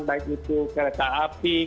baik itu kereta api